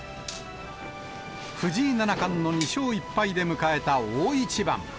藤井七冠の２勝１敗で迎えた大一番。